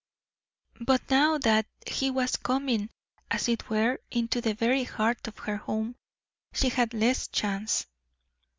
But now that he was coming, as it were, into the very heart of her home, she had less chance.